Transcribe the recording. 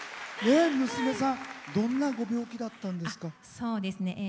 娘さん、どんなご病気だったんですか。